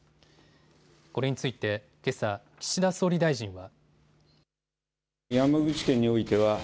これについてけさ、岸田総理大臣は。